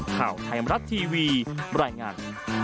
ข่าวไทยอำรับทีวีรายงาน